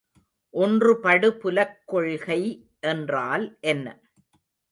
ஒன்றுபடுபுலக் கொள்கை என்றால் என்ன?